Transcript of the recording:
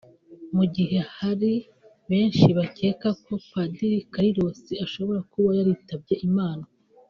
Mu gihe hari benshi bakeka ko Padiri Carlos ashobora kuba yaritabye Imana